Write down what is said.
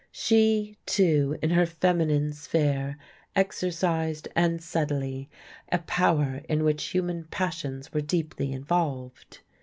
She, too, in her feminine sphere, exercised, and subtly, a power in which human passions were deeply involved.